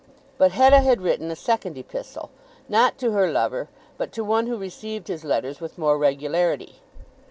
But Hetta had written a second epistle, not to her lover, but to one who received his letters with more regularity.